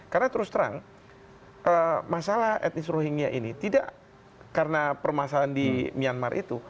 karena terus terang masalah etnis rohingya ini tidak karena permasalahan di myanmar itu